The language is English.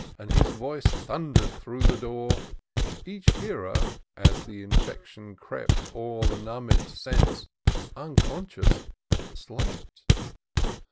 And his voice thunder'd through the door, Each hearer, as th' infection crept O'er the numb'd sense, unconscious slept